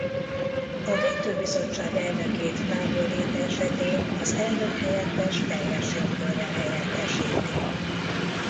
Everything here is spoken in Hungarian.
A Döntőbizottság elnökét távolléte esetén az elnökhelyettes teljes jogkörrel helyettesíti.